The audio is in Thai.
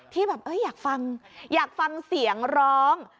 ที่แบบอยากฟังเห็นเสียงร้อง